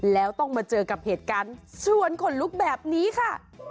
แล้วต้องมาเจอกับเหตุการณ์ชวนขนลุกแบบนี้ค่ะ